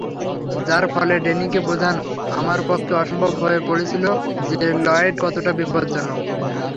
যার ফলে ডেনিকে বোঝানো, আমার পক্ষে অসম্ভব হয়ে পড়েছিল যে লয়েড কতটা বিপদজ্জনক।